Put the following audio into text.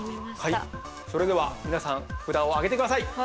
それでは皆さん札をあげて下さい！